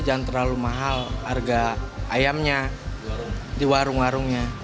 jangan terlalu mahal harga ayamnya di warung warungnya